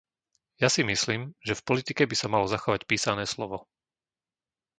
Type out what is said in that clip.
Ja si myslím, že v politike by sa malo zachovať písané slovo.